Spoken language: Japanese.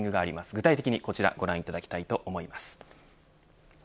具体的にはこちらご覧いただきたいと思います。